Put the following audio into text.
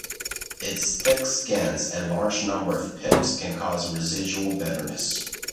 Its thick skins and large number of pips can cause residual bitterness.